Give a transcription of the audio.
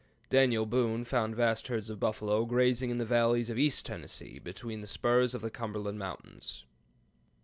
Daniel Boone found vast herds of buffalo grazing in the valleys of East Tennessee, between the spurs of the Cumberland mountains.